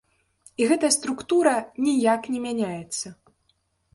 І гэтая структура ніяк не мяняецца.